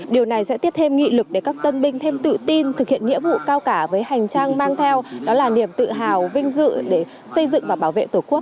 điều này sẽ tiếp thêm nghị lực để các tân binh thêm tự tin thực hiện nghĩa vụ cao cả với hành trang mang theo đó là niềm tự hào vinh dự để xây dựng và bảo vệ tổ quốc